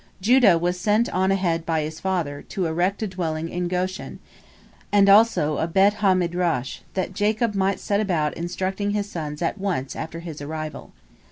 Judah was sent on ahead by his father, to erect a dwelling in Goshen, and also a Bet ha Midrash, that Jacob might set about instructing his sons at once after his arrival.